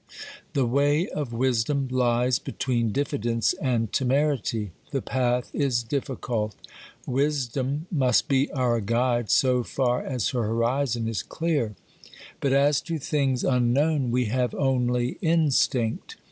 The way of Wisdom lies between diffidence and temerity ; the path is difficult. Wisdom must be our guide so far as her horizon is clear, but as to things unknown we have only instinct.